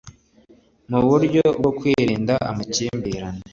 mu buryo bwo kwirinda amakimbirane